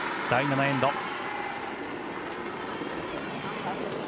第７エンド。